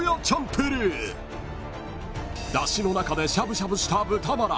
［だしの中でしゃぶしゃぶした豚バラ］